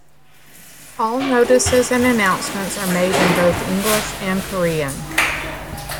All notices and announcements are made in both English and Korean.